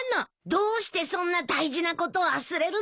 どうしてそんな大事なこと忘れるんだよ。